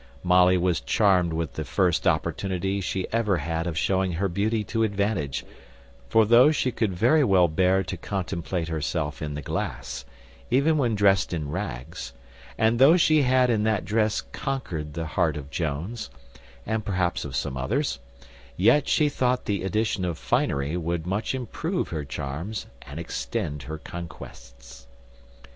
Molly was charmed with the first opportunity she ever had of showing her beauty to advantage; for though she could very well bear to contemplate herself in the glass, even when dressed in rags; and though she had in that dress conquered the heart of Jones, and perhaps of some others; yet she thought the addition of finery would much improve her charms, and extend her conquests.